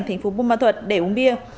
thành phố bù ma thuật để uống bia